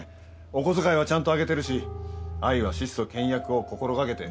お小遣いはちゃんとあげてるし愛は質素倹約を心掛けて。